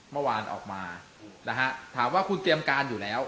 เมื่อวานออกมานะฮะถามว่าคุณเตรียมการอยู่แล้ว